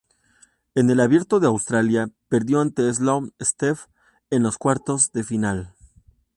En el Abierto de Australia perdió ante Sloane Stephens en los cuartos de final.